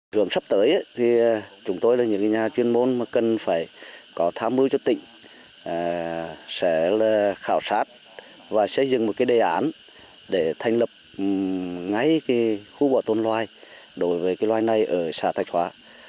hướng sắp tới thì chúng tôi là những nhà chuyên môn mà cần phải có tham mưu cho tỉnh sẽ khảo sát và xây dựng một cái đề án để thành lập ngay khu bảo tồn loài đối với cái loài này ở xã thạch hóa